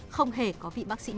không hề có vị bác sĩ tuyến